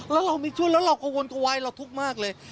แล้วเรามีชุดแล้วเรากระวนกระวายเราทุกข์มากเลย